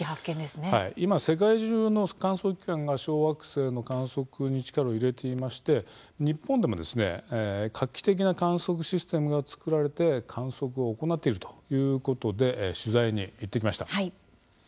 今、世界中の観測機関が小惑星の観測に力を入れていて日本でも画期的な観測システムが作られて観測を行っているということで取材に行ってきました。